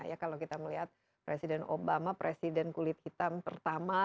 ya kalau kita melihat presiden obama presiden kulit hitam pertama